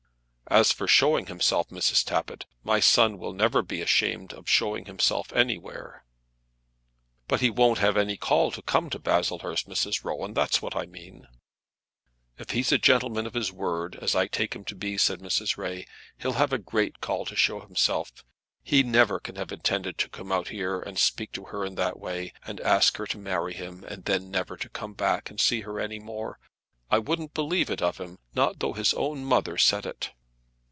"As for showing himself, Mrs. Tappitt, my son will never be ashamed of showing himself anywhere." "But he won't have any call to come to Baslehurst, Mrs. Rowan. That's what I mean." "If he's a gentleman of his word, as I take him to be," said Mrs. Ray, "he'll have a great call to show himself. He never can have intended to come out here, and speak to her in that way, and ask her to marry him, and then never to come back and see her any more! I wouldn't believe it of him, not though his own mother said it!"